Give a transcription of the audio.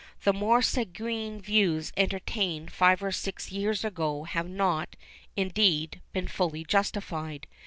The more sanguine views entertained five or six years ago have not, indeed,, been fully justified.